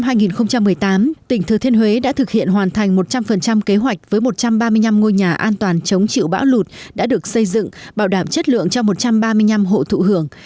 năm hai nghìn một mươi tám tỉnh thừa thiên huế đã thực hiện hoàn thành một trăm linh kế hoạch với một trăm ba mươi năm ngôi nhà an toàn chống chịu bão lụt đã được xây dựng bảo đảm chất lượng cho một trăm ba mươi năm hộ thụ hưởng